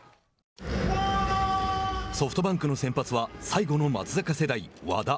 ソフトバンクの先発は最後の松坂世代、和田。